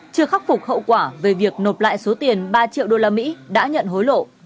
chưa khắc phục hậu quả về việc nộp lại số tiền ba triệu đô la mỹ đã nhận hối lộ